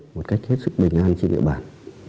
một cách hết sức bình an trên địa bàn